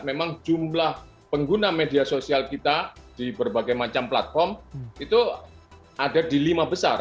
memang jumlah pengguna media sosial kita di berbagai macam platform itu ada di lima besar